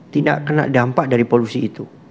tidak kena dampak dari polusi itu